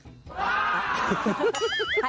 อย่างแรกเลยก็คือการทำบุญเกี่ยวกับเรื่องของพวกการเงินโชคลาภ